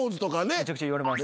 めちゃくちゃ言われます。